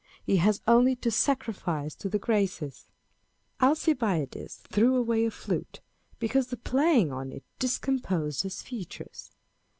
He has only to sacrifice to the Graces. Alcibiades threw away a flute, because the playing on it discomposed his features.